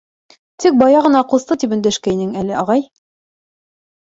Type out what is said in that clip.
Тик бая ғына ҡусты тип өндәшкәйнең, әле ағай?